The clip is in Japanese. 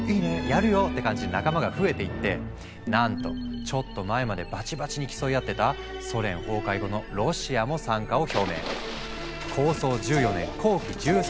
「やるよ！」って感じで仲間が増えていってなんとちょっと前までバチバチに競い合ってたソ連崩壊後のロシアも参加を表明。